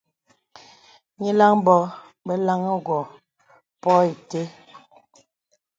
Nīləŋ bǒ bə laŋhi gô pô itə.